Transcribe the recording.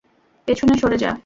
পেছনে সরে যা।